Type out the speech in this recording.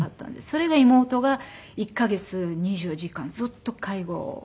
それが妹が１カ月２４時間ずっと介護。